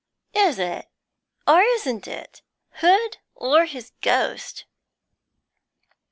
'Is it? Or isn't it? Hood, or his ghost?'